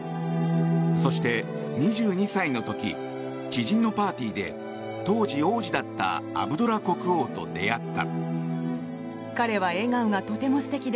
そして、２２歳の時知人のパーティーで当時、王子だったアブドラ国王と出会った。